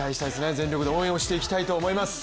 全力で応援をしていきたいと思います。